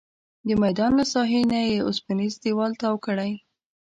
د میدان له ساحې نه یې اوسپنیز دیوال تاو کړی.